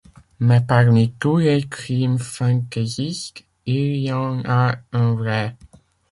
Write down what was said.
Mais parmi tous les crimes fantaisistes, il y en a un vrai…